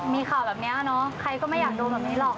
มีข่าวแบบนี้เนอะใครก็ไม่อยากโดนแบบนี้หรอก